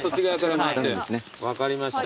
分かりました。